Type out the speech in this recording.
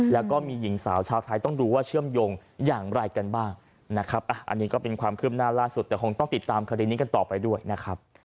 แล้วก็มีหญิงสาวชาวไทยต้องดูว่าเชื่อมโยงอย่างไรกันบ้างนะครับอันนี้ก็เป็นความคืบหน้าล่าสุดแต่คงต้องติดตามคดีนี้กันต่อไปด้วยนะครับ